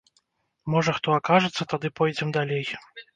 Можа хто акажацца, тады пойдзем далей.